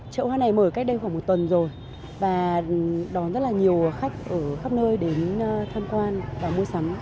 chợ hoa này mở cách đây khoảng một tuần rồi và đón rất là nhiều khách ở khắp nơi đến tham quan và mua sắm